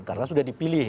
karena sudah dipilih